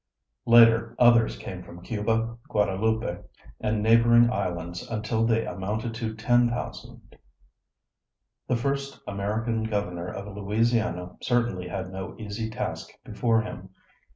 Later others came from Cuba, Guadaloupe and neighboring islands until they amounted to 10,000. The first American governor of Louisiana certainly had no easy task before him.